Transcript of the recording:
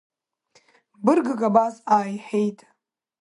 Быргык абас ааиҳәеит.